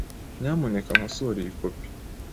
Nyamuneka nkosore iyi kopi.